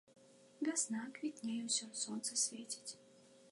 Вясна, квітнее ўсё, сонца свеціць.